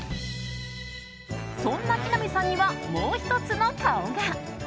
そんな木南さんにはもう１つの顔が。